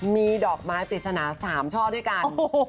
มีดอกไม้ปริศนา๓ช่อด้วยกัน